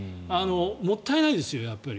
もったいないですよやっぱり。